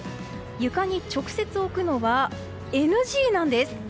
床に直接置くのはＮＧなんです。